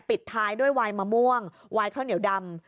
ปิดท้ายด้วยวายมะม่วงวายข้าวเหนียวดำ